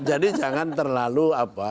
jadi jangan terlalu